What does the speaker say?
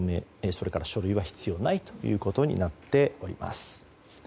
それから書類は必要ないということになっています。